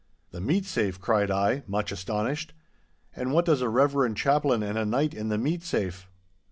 'The meat safe,' cried I, much astonished; 'and what does a reverend chaplain and a knight in the meat safe?